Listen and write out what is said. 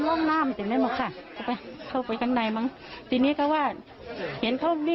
โอเค